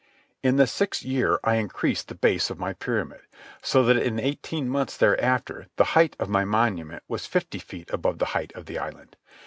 In the sixth year I increased the base of my pyramid, so that in eighteen months thereafter the height of my monument was fifty feet above the height of the island.